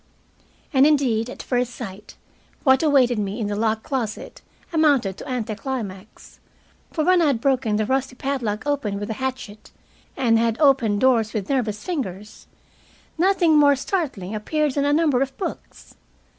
And indeed, at first sight, what awaited me in the locked closet amounted to anti climax. For when I had broken the rusty padlock open with a hatchet, and had opened doors with nervous fingers, nothing more startling appeared than a number of books.